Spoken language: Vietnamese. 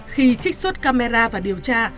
khi trích xuất camera và điều tra